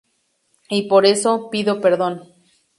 Y por eso, pido perdón.